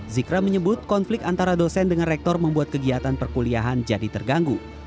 zikra menyebut konflik antara dosen dengan rektor membuat kegiatan perkuliahan jadi terganggu